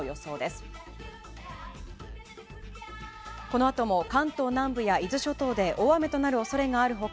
このあとも関東南部や伊豆諸島で大雨となる恐れがある他